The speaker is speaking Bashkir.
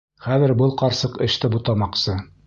Хәҙер был ҡарсыҡ эште бутамаҡсы.